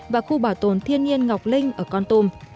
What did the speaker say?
và khu bảo tồn thiên nhiên ngọc linh ở con tùm